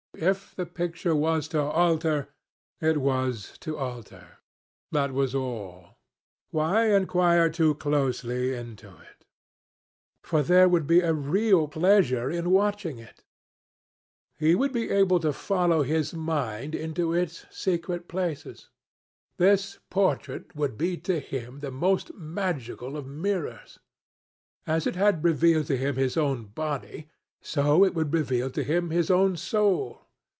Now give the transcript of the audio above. If the picture was to alter, it was to alter. That was all. Why inquire too closely into it? For there would be a real pleasure in watching it. He would be able to follow his mind into its secret places. This portrait would be to him the most magical of mirrors. As it had revealed to him his own body, so it would reveal to him his own soul.